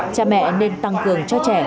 cha mẹ nên tăng cường cho trẻ